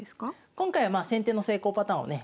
今回はまあ先手の成功パターンをね